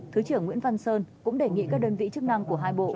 thứ trưởng nguyễn văn sơn cũng đề nghị các đơn vị chức năng của hai bộ